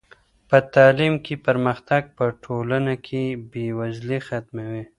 په تعلیم کې پرمختګ په ټولنه کې بې وزلي ختموي.